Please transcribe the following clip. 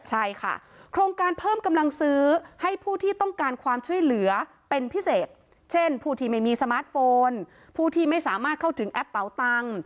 ใช่ค่ะโครงการเพิ่มกำลังซื้อให้ผู้ที่ต้องการความช่วยเหลือเป็นพิเศษเช่นผู้ที่ไม่มีสมาร์ทโฟนผู้ที่ไม่สามารถเข้าถึงแอปเป่าตังค์